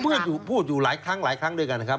ผมพูดอยู่หลายครั้งด้วยกันนะครับ